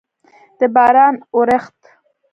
د باران اورښت